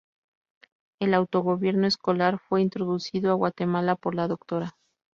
El autogobierno escolar fue introducido a Guatemala por la Dra.